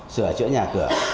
sửa chữa nhà cửa